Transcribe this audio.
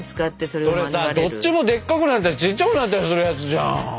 それどっちもでっかくなったりちっちゃくなったりするやつじゃん！